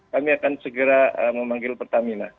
kami akan segera memanggil pertamina